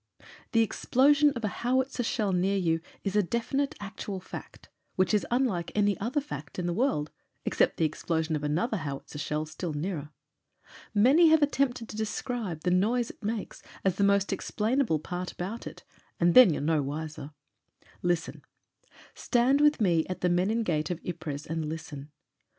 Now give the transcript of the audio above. The explosion of a howitzer shell near you is a defi nite, actual fact — which is unlike any other fact in the world, except the explosion of another howitzer shell still nearer. Many have attempted to describe the noise it makes as the most explainable part about it And then you're no wiser. Listen. Stand with me at the Menin Gate of Ypres and listen.